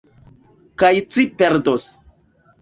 Kaj ci perdos.